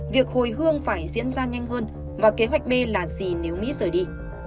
việc hồi hương phải diễn ra nhanh hơn và kế hoạch b là gì nếu mỹ rời đi